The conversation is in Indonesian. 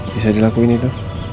bisa dilakuin itu